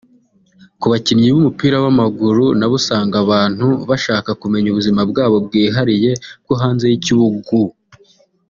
Ku bakinnyi b’umupira w’amaguru nabo usanga abantu bashaka kumenya ubuzima bwabo bwihariye bwo hanze y’ikibugu